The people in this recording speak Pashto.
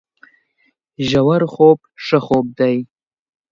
ژورخوب ښه خوب دی